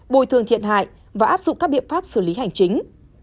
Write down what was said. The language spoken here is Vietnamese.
bồi thường thiệt hại và áp dụng các biện pháp xử lý hành chính